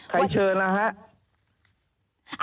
ใครเชิญล่ะฮะ